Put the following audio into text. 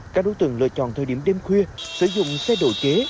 các đối tượng lựa chọn thời điểm đêm khuya sử dụng xe độ chế